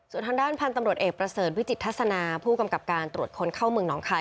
ส่วนทางด้านพันธุ์ตำรวจเอกประเสริฐวิจิตทัศนาผู้กำกับการตรวจคนเข้าเมืองหนองคาย